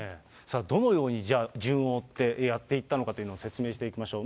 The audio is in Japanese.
どのように順を追ってやっていったのかというのを説明していきましょう。